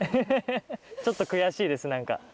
ちょっと悔しいです何か。